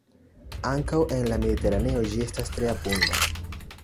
Ankaŭ en la Mediteraneo ĝi estas tre abunda.